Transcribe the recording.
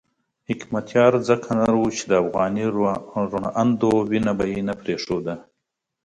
حکمتیار ځکه نر وو چې د افغاني روڼاندو وینه به یې نه پرېښوده.